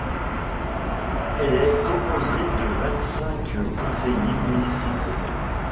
Elle est composée de vingt-cinq conseillers municipaux.